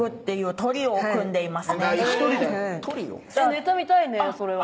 ネタ見たいねそれは。